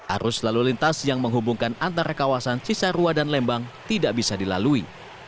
arus lalu lintas yang menghubungkan antara kawasan cisarua dan lembang tidak bisa dilalui